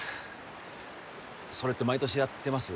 それって毎年やってます？